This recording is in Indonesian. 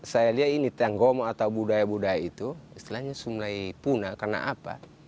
saya lihat ini tanggomo atau budaya budaya itu istilahnya mulai punah karena apa